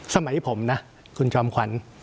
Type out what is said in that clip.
สมัยผมนะคุณจอมขวัญ